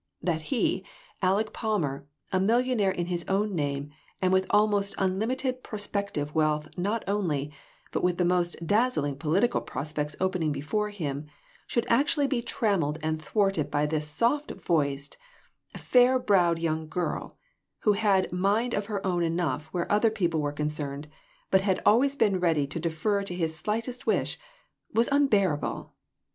That he, Aleck Palmer, a million aire in his own name and with almost unlimited prospective wealth not only, but with the most dazzling political prospects opening before him, should actually be trammeled and thwarted by this soft voiced, fair browed young girl, who had had mind of her own enough where other people were concerned, but had always been ready to defer to his slightest wish, was unbearable.